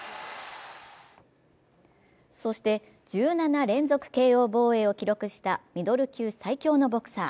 そして、１７連続ＫＯ防衛を記録したミドル級最強のボクサー。